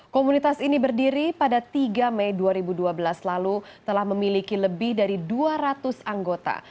komunitas ini berdiri pada tiga mei dua ribu dua belas lalu telah memiliki lebih dari dua ratus anggota